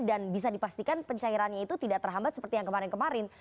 bisa dipastikan pencairannya itu tidak terhambat seperti yang kemarin kemarin